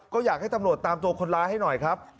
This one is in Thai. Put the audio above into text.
ก็อยากให้ตำรวจตามตัวคนร้ายให้หน่อยครับ